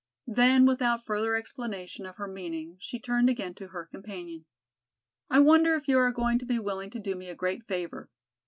Then without further explanation of her meaning she turned again to her companion. "I wonder if you are going to be willing to do me a great favor?